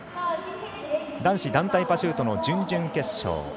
男子団体パシュートの準々決勝。